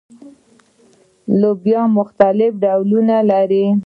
لوبیې مختلف ډولونه لري